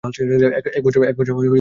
একবছরের মধ্যে মেন অ্যাঁকটর।